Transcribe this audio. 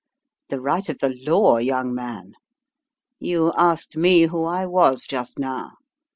"The right of the law, young man. You asked me wko I was just now.